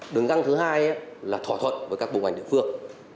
đường ngang thứ hai là thỏa thuận với các bộ ngành địa phương